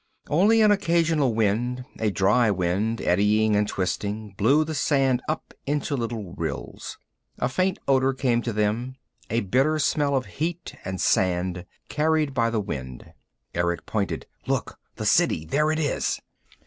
Only an occasional wind, a dry wind eddying and twisting, blew the sand up into little rills. A faint odor came to them, a bitter smell of heat and sand, carried by the wind. Erick pointed. "Look. The City There it is."